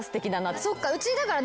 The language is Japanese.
そっかうちだから。